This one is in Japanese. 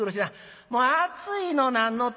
もう暑いの何のて」。